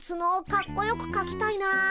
かっこよくかきたいな。